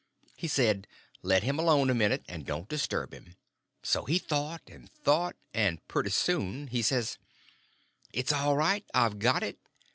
He said, let him alone a minute, and don't disturb him. So he thought and thought, and pretty soon he says: "It's all right; I've got it.